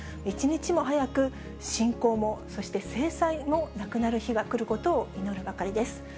一日も早く、侵攻も、そして制裁もなくなる日が来ることを祈るばかりです。